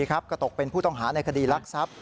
ก็ตกเป็นผู้ต้องหาในคดีรักทรัพย์